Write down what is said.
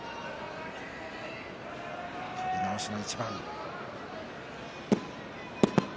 取り直しの一番。